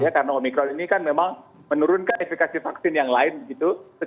karena omicron ini kan memang menurunkan infeksi vaksin yang lain gitu